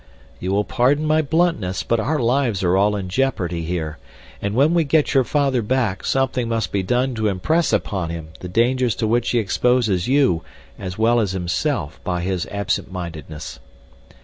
You will pardon my bluntness, but our lives are all in jeopardy here, and when we get your father back something must be done to impress upon him the dangers to which he exposes you as well as himself by his absent mindedness."